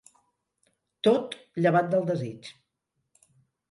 Tot, llevat del desig.